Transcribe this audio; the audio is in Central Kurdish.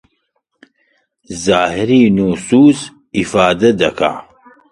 زاهیری نوسووس ئیفادە ئەکا